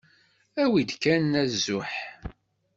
Awi-d kan azuḥ.